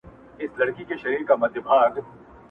شیخ ته ورکوي شراب کشیش ته د زمزمو جام.